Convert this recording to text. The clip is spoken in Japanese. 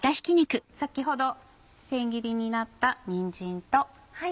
先ほど千切りになったにんじんと。